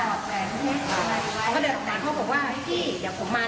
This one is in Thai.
เขาก็เดินออกถามเขาบอกว่าพี่เดี๋ยวผมมา